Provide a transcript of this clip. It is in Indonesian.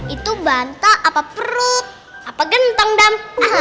itu bantah apa perut apa genteng dam